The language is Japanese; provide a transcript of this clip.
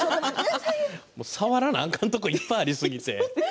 触らなあかんところいっぱいありすぎて。